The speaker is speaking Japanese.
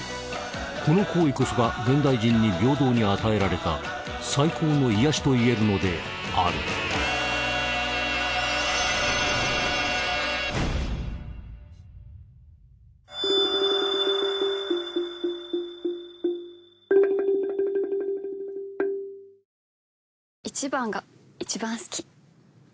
この行為こそが現代人に平等に与えられた最高の癒やしといえるのであるどうぞ。